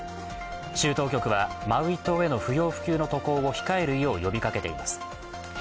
州当局はマウイ島への不要不急の渡航を控えるよう呼びかけています。